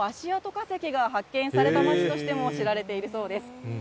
化石が発見された町としても知られているそうです。